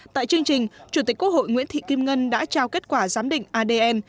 tại chương trình chủ tịch quốc hội nguyễn thị kim ngân đã trao kết quả giám định adn